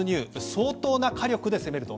相当な火力で攻めると。